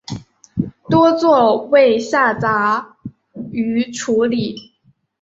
多做为下杂鱼处理。